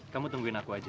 kamu tungguin aku aja